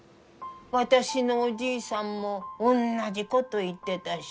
私のおじいさんもおんなじこと言ってたし。